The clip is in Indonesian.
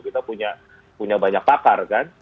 kita punya banyak pakar kan